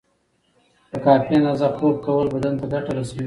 په کافی اندازه خوب کول بدن ته ګټه رسوی